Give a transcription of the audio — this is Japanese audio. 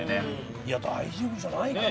いや大丈夫じゃないかな。